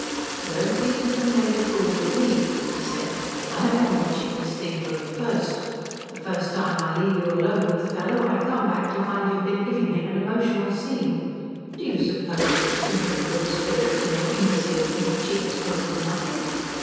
"'Don't think you can play the fool with me,' he said. 'I have been watching this thing from the first. The first time I leave you alone with the fellow, I come back to find you have been giving him an emotional scene. Do you suppose your simpering good spirits and your imbecile pink cheeks told me nothing?